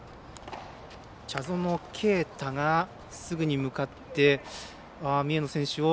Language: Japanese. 茶園啓太がすぐに向かって三重の選手を。